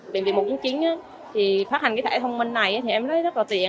bệnh viện một trăm bốn mươi chín thì phát hành cái thẻ thông minh này thì em thấy rất là tiện